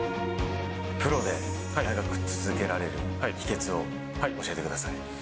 プロで長く続けられる秘けつを教えてください。